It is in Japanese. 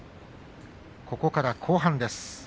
ここから後半です。